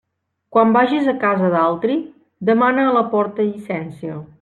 Quan vagis a casa d'altri, demana a la porta llicència.